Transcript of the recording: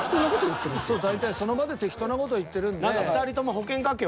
大体その場で適当な事を言ってるんで。